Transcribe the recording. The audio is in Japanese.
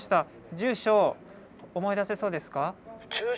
住所思い出せそうですか？